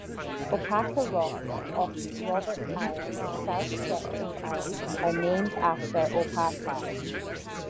Opaka Rocks off Robert Island, South Shetland Islands are named after Opaka.